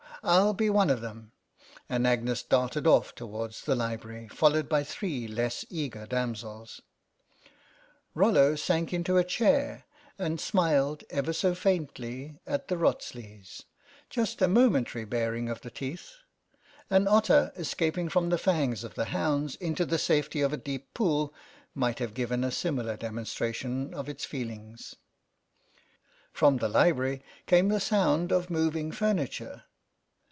I'll be one of them." And Agnes darted off towards the library, followed by three less eager damsels. THE STRATEGIST 93 Rollo sank into a chair and smiled ever so faintly at the Wrotsleys, just a momentary baring of the teeth ; an otter, escaping from the fangs of the hounds into the safety of a deep pool, might have given a similar demonstration of its feelings. From the library came the sound of moving furniture.